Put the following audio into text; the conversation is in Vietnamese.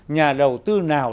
nhà đầu tư nào